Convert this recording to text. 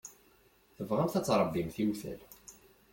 Tebɣamt ad tṛebbimt iwtal.